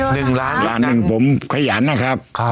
หนึ่งล้านหนึ่งผมขยันนะครับ